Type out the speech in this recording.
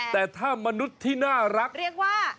แต่ถ้ามนุษย์ที่น่ารักเรียกว่า